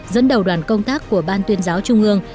dẫn đầu đoàn công tác của ban tuyên giáo trung ương